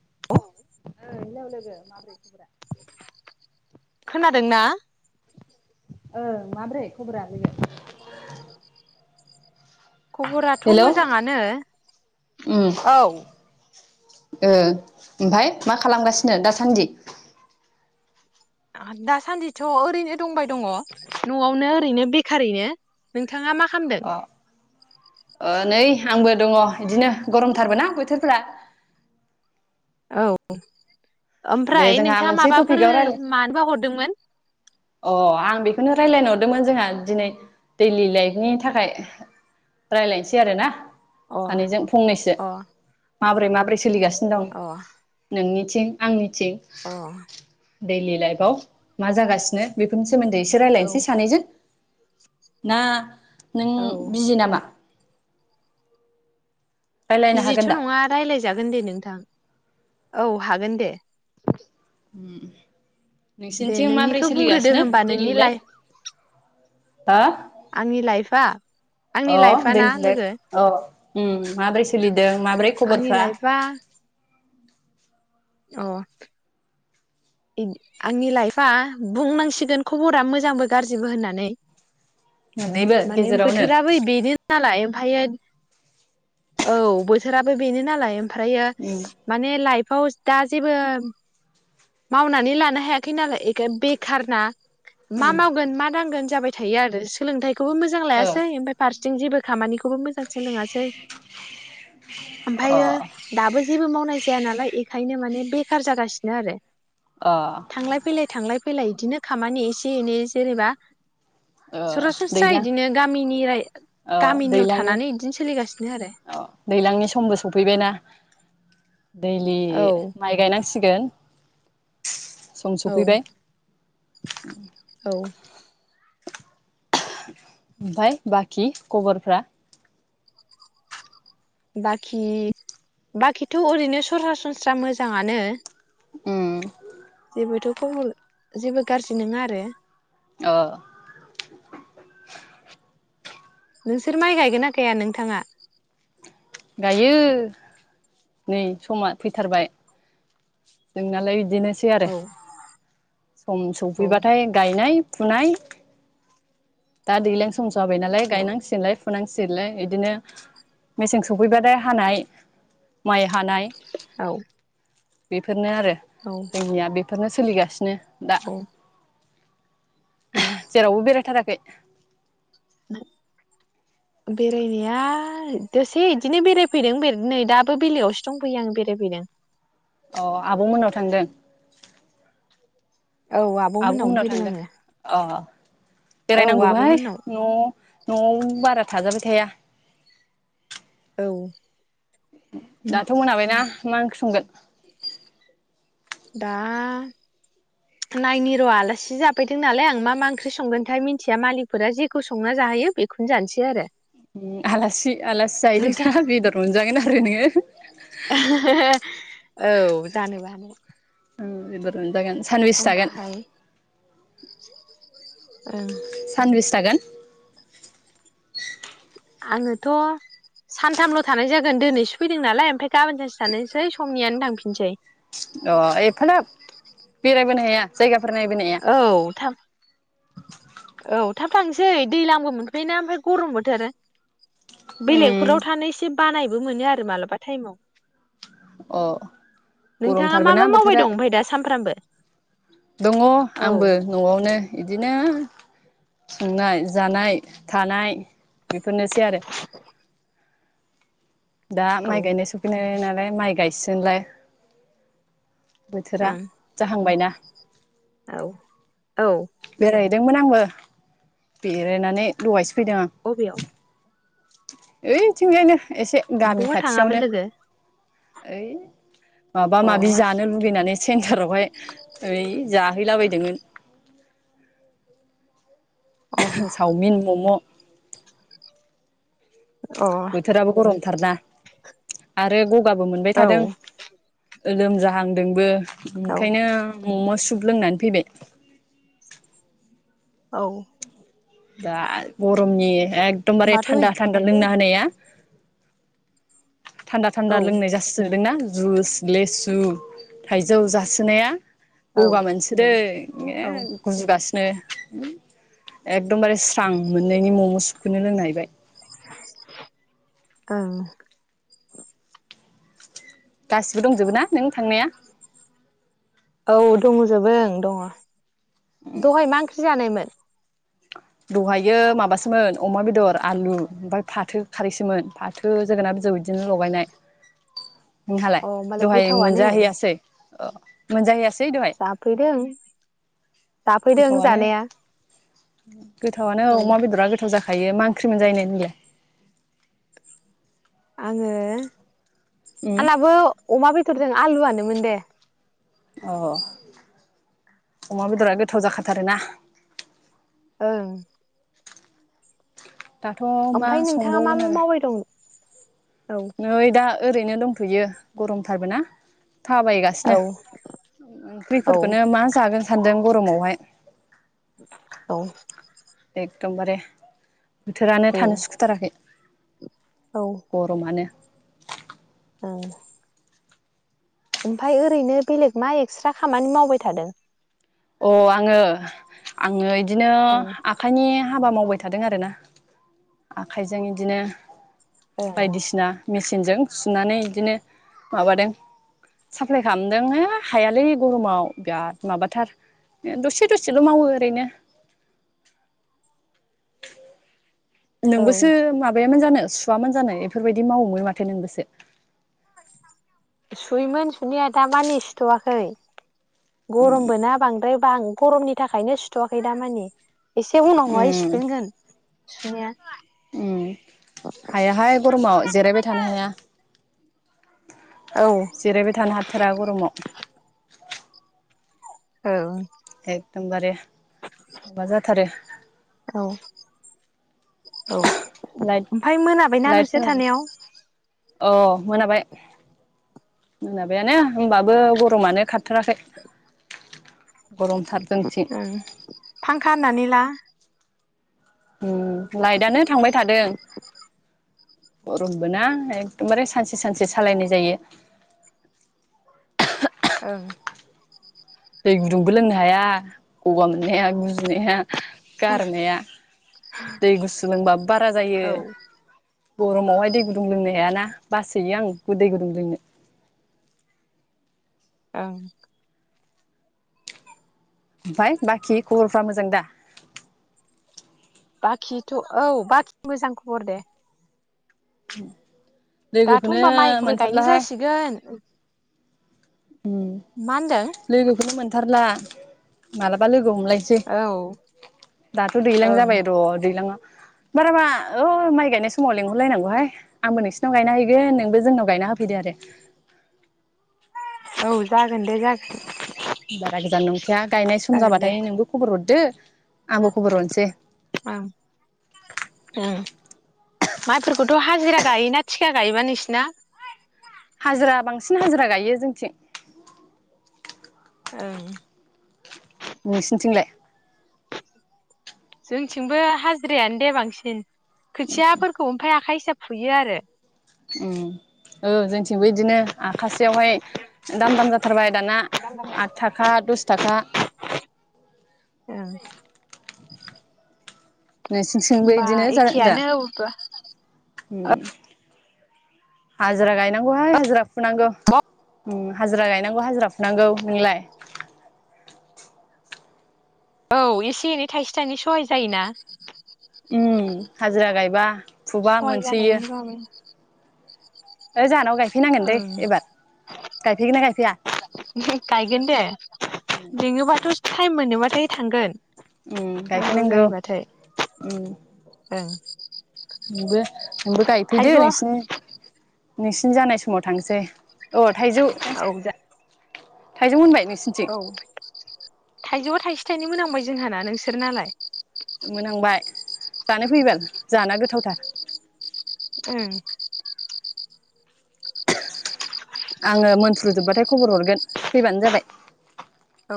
[inaudible] Hello लोगो माब्रै खबरा? खोनादोंना? ओं माब्रै खबरा लोगो? खबराथ' मोजाङानो उम औ ओ ओमफाय मा खालामगासिनो दासान्दि? दासान्दिथ' ओरैनो दंबाय दङ न'आवनो ओरैनो बेखारैनो नोंथ अ ओ नै आंबो दङ बिदिनो गरमथारबो ना बोथोरफोरा। औ दे ओमफ्राय जोंहा नोंथाङा मोनसे माबाफोर टपिकआव रायलाय मानोबा हरदोंमोन? अ आं बेखौनो रायलायनो हरदोंमोन जोंहा दिनै दैलि लाइफनि थाखाय रायलायनोसै आरो ना अ सानैजों फंनैसो अ माब्रै माब्रै सोलिगास दं अ नोंनि थिं आंनि जे अ दैलि लाइफाव मा जागासिनो बेखौ [unintelligible] सोमोन्दै एसे औ रायलायनोसै सानैजों। ना नों औ बिजि नामा? रायलायनो बिजिथ' हागोन दा? नङा रायलायजागोन दे नोंथां। औ हागोन दे। उम दे नोंसिनिथिं माबोरै नोंनिखौ बुंग्रोदो सोलिगासिनो होमबा दैलि नोंनि लाइ लाइफ आंनि लाइफआ आंनि लाइफआ ना लोगो आंनि लाइफआ [unintelligible] अ आंनि लाइफआ बुंनांसिगोन खबरा मोजांबो गाज्रिबो होननानै। मोननैबो माने गेजेरावनो बोथोराबो बे [unintelligible] हालाय ओमफायो औ बोथोराबो बेनो नालाय ओमफ्रायो उम माने लाइफ औ दा जेबो मावनानै लानो हायाखै नालाय एखाय बेखार ना। मा उम मावगोन मा दांगोन जाबाय थायो आरो सोलोंथाइ बखौबो मोजां ओ लायासै ओमफाय फारस जों जेबो खामानिखौ खौबो मोजां सोलोङासै। अ ओमफायो दाबो जेबो मावनाय जाया नालाय एखायनो माने बेखार जागासिनो आरो। अ थांलाय फैलाय थांलाय फैलाय इदिनो खामानि एसे एनै जेनेबा। ओ सरासनस्रा दैलां इदिनो गामिनि राइ ओ गामिनियाव दैलां थानानै इदिनो सोलिगासिनो आरो। अ दैलांनि समबो सफैबायना। दैलि औ माइ गायनांसिगोन। सम औ सफैबाय। [inaudible] औ। ओमफाय बाखि खबरफ्रा? बाखि बाखिथ' ओरैनो सरासनस्रा मोजाङानो। उम। अबोथ' खबर जेबो गारजि नोङा आरो। अ। नोंसोर माइ गायगोना गाया नोंथाङा? गायो नै समा फैथारबाय जोंनालाय बि। बिदिनोसै आरो औ सम औ सफैबाथाय गायनाय फुनाय दा दैलां सम जाबाय नालाय औ गायनांसिगोनलाय। लाय बि मसे [inaudible] सफैबाथाय हानाय माइ औ। बे बेफोरनो आरो औ जोंनिया बे बेनो सोलिगासिनो। दा औ। औ जेरावबो बेरायथाराखै? [inaudible] बेरायनाया दसे बिदिनो बेरायफैदों नै दाबो बेलायावसो दंफैयो आं बेरायफैदों। अ आब' मोननाव थांदों? औ आब' आब'मोननावनो मोननाव फैदों थांदों आङो अ औ बेरायनांगौबोहाय आब'मोननाव न' न'आव बारा थाजाबाय थाया। औ। दाथ' मोनाबायना? मा ओं संगोन? दा नायनि र' आलासि जाफैदों नालाय आं मा मा ओंख्रि संगोनथाय मिन्थिया मालिकफोरा जेखौ संना जाहैयो बेखौनो जानोसै आरो। आलासि आलासि नोंथां जाहैदों नना बेदर मोनजागोन ना? जनियो [unintelligible] औ जानोबानो। [unintelligible] बेबो दागोन। सानबेसे थागोन? ओं। सानबिसे थागोन? आङोथ' सानथामल' थानाय जागोन दिोनैसो फैदों नालाय ओमफ्राय गाबोन सानसेो थसै समनियानो थांफिनसै। अ एफाग्राब बेरायबोनो हाया? जायगा औ थाम औ थाब थांसै दैलांबो मोनफैबायना ओमफ्राय गरम बोथोर। उम बेलेगफोराव थानाय से बानायबो मोनो आरो मालाबा टाइमाव। अ नोंथाङा मा गरमथारबोना? मा मावबाय बोथोरा दं ओमफ्राय दा सानफ्रामबो दङ औ आंबो न'आवनो। बिदिनो संनाय जानाय थानाय। बेफोरनोसै आरो। दा औ माइ गायनाय सफैनाय नालाय। ओफ्राय माइ गायसोलाय। बोथोरा ओं जाहांबायना। औ औ। बेदोंमोन आंबो दिरेनानै लगायस। अबेयाव [unintelligible] ओरै थिंजायनो एसे। गामि बहा थाङामोन खाथियावनो। लोगो ओइ। माबा अ माबि जानो लुुबैनानै सेन्टारावहाय ओरै। जाहैलाबायदोंमोन। अ चावमिन मम'। अ औ बोथोराबो गरमथारना। आरो गं। गाबो मोनबाय थादों। लोमजाहांदोंबो। औ ओंखायनो। मम' सुप लोंनानै फैबाय। औ। दा गरमनि। एखदमबारे होमबाथ' औ थान्दा थानदा लोंनानै।। होनाया थान्दा थान्दा औ लोंनाय जासोजोबदों ना। जुइस लेसु थाइजौ जासोनाया। औ गगा मोनसोदो ए ओं गुजुगासिनो। एकदमबारे स्रां मोननायनि मम' सुखोननो लोंनाहैबाय। ओं। गासिबो दंजोबो ना नों थांनाया। औ दङजोबों दङ। दहाय मा ओंख्रि जानायमोन। दहायो माबासोमोन अमा बेदर आलु ओमफ्राय फाथो खारैसोमोन फाथो जोगोनार बिजौ बिदिनो लगायनाय। नोंहालाय अ होमबालाय दहाय गोथावानो मोनजाहैयासै। अ मोनजाहैयासै। जाफैदों जाफैदों गोथावआनो जानाया गोथावनो औ अमा बेदरा गोथाव जाखा यो मा ओंख्रि मोनजाहैनाय नोंलाय आङो उम आंहाबो अमा बेदरजों आलुआनो मोनदे अ अमा बेदरा गोथाव जाखाथारोना ओं दाथ' मा ओमफ्राय नोंथाङा मा संबावगोन मा आरो मावबाय दं औ नै दा ओरैनो दंथ'यो गरमथारबो ना औ थाबायगासिनो औ ओंख्रिफोरखौनो मा जागोन सान्दों गरमावहाय औ एकदमबारे बोथोरानो उम थानो सुखुथाराखै औ गरमानो औ ओमफ्राय ओरैनो बेलेग मा एक्सट्रा खामानि मावबाय थादों अ आङो आङो बिदिनो ओं आखाइनि हाबा मावबाय थादों आरोना आखाइजों बिदिनो ओं बायदिसिना मेचिनजों सुनानै बिदिनो माबादों साप्लाय खालामदों हो हायालै गरमाव बिराद माबाथार दसे दसेल' मावो ओरैनो औ नोंबोसो माबायामोन जानो सुवामोन जानाय बेफोरबायदि मावोमोन माथो नोंबोसो सुयोमोन सुनाया दा मानि सुथ'वाखै गरमबो ना बांद्राय बां गरमनि थाखायनो सुथ'वाखै दामानि एसे उनावहाय उम सुफिनगोन सुनाया उम हायाहाय गरमाव जिरायबाय थानो हाया औ जिरायबाय थानो हाथारा गरमाव औ एकदमबारे माबा जाथारो औ औ लाइट ओमफाय मोनाबायना नोंसोर लाइटफोर थानायाव अ मोनाबाय मोनाबायानो होनबाबो गरमानो खाथि गरमथार जोंथिं फांखा होननानै ला ओ लाइटआनो थांबाय थादों गरमबो ना एखदमबारे सानसे सानसे सालायनाय जायो। औ दै गुदुंबो लोंनो हाया गगा मोननाया गुजुनाया। गुसु गारमाया दै गुसु लोंबाबो बारा जायो गरमावहाय दै गुदुं लोंनो हायाना बासोयो आं दै गुदुं लोंनो औ ओमफ्राय बाखि खबरफ्रा मोजां दा बाखिथ' औ बाखि मोजां खबर दे [unintelligible] दाथ' लोगोखौनो होनबा माइबो गायनो मोनथारलाहाय जासिगोन मा होनदों लोगोखौनो मोनथारला थारला मालाबा लोगो हमलायसै औ दाथ' दैलां ओं जाबाय र' दैलाङाव बाराबा औ माइ गायनाय समाव लेंहरलायनांगौहाय आंबो नोंसिनाव गायना हैगोन नोंबो जोंनाव गायना होफैदो आरो। औ जागोन दे जाग। बारा गोजान नंखाया। गायनाय सम जागोन दे जाबाथाय नोंबो खबर हरदो। आंबो खबर हरनोसै ओं ओं माइफोरखौथ हाजिरा गायोना थिखा गायो बा नोंसिना। हाजिरा बांसिन हाजिरा गायो जोंथिं। ओं नोंसिनिथिंलाय जोंथिंबो हाजिरायानो दे बांसिन। खोथियाफोरखौ ओमफाय आखा हिसाब। फुयो आरो ओ जोंथि थिंबो बिदिनो आखासेयावहाय दाम दाम जाथारबाय दाना आद थाखा दस थाखा। ओं नोंसिंथिंबो होमबा बिदिनो जादों दा एखेयानो हाजिरा गायनांगौहाय हाजिरा फुनांगौ हाजिरा गायनांगौ हाजिरा फुनांगौ नोंलाय। औ एसे एनै थाइसे थाइनै सहाय जायोना। उम हाजिरा गायबा फुबा सहाय मोनसोयो। जानायमोन बाबो ओ जाहानाव गाय। ओं ना गायफैया गायगोन दे लिङोबाथ टाइम मोनोबाथाय थांगोन। उ गायफै नांगौ उम। ओं नोंबो नोंबो गायफैदो थाइजौआ नोंसिनि नोंसिनि जानाय समाव थांसै अ। थाइजौ औ जा थाइजौ मोनबाय नो। नोंसोनिथिं थाइजौआव थाइसे थाइनै मोनहांबाय जोंहाना नोंसोर नालाय? मोनहांबाय जानो फैबाल जानो गोथावथार। उम। आङो मोनफ्रुजोब्बाथाय खबर हरगोन फैबानो जाबाय।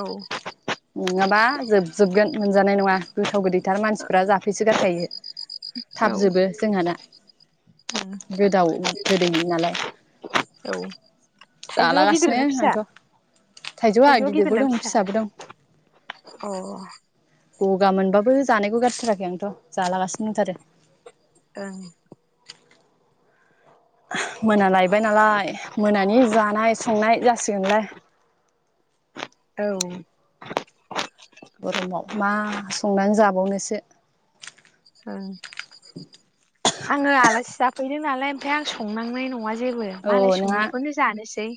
[unintelligible] नङाबा जोबजोबगोन मोनजानाय नङा गोथाव गोदैथार मानसिफ्रा जाफैसो गारखायो। औ थाब जोबो जोंहाना। ओं गोदाव गोदै नालाय। औ थाइजौआ गिदिर जालागासिनो ना फिसा आंथ थाइजौआ गिदिर गिदिरबो ना दं फिसा फिसाबो दं। अ। गगा मोनबाबो जानायखौ गारथाराखै आंथ' जालागासिनो दंथारो। ओं। मोना लायबाय नालाय मोनानि जानाय संनाय जासिगोनलाय। औ। गरमाव मा संनानै जाबावनोसो। आङो आलासि जाफैदो नालाय ओमफ्राय आं संनांनाय नङा। जेबो औ मालाय संनायखौनो जानोसै।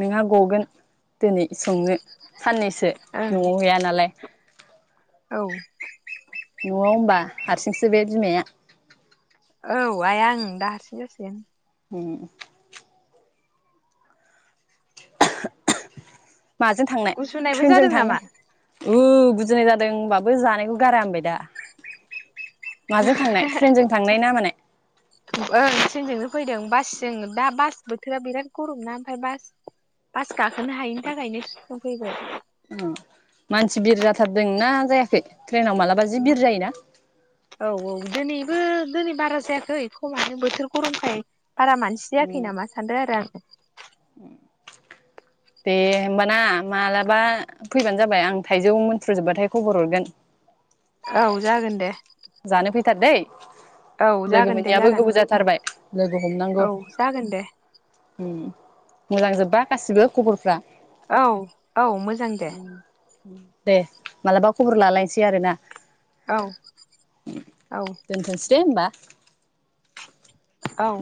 नोङा गगोन दिनै संनो साननैसो ओ ओं न'आव गैया नालाय। औ न'आव होमबा हारसिंसो बे बिमाया। औ आइया ओं दा हारसिं जासिगोन। उम। [unintelligible] माजों थांनाय गुजुनायबो ट्रेनजों जादों थांनाय? नामा [unintelligible] गुजुनाय जादों होनबाबो जानायखौ गारा होनबाय दा। माजों थांनाय ट्रेनजों थांनाय ना मानाय ओं ट्रनजोंनो फैदों बासजों दा बास बोथोरा बिराद गरमना ओमफ्राय बास बास गाखोनो हायिनि थाखायनो ट्रेननजों फैबाय। मानसि बिर जाथारदों ना जायाखै ट्रेनाव मालाबा जि बिर जायोना औ औ दिनैबो दिनै बारा जायाखै खमानो बोथोर गरमखाय बारा मानसि जायाखै उम नामा सानदों आरो आङो दे होमबाना मालाबा फैबानो जाबाय आं थाइजौ मोनथ्रुजोबबाथाय खबर हरगोन औ जागोन दे जानो फैथार दै औ लोगो जागोन दे मोनैयाबो जागोन गोबाव जाथारबाय लोगो हमनांगौ औ जागोन दे उम मोजां जोब्बा गासिबो खबरफ्रा औ औ मोजां दे दे मालाबा खबर लालायसै आरोना औ औ दोनथ'सै दे होमबा औ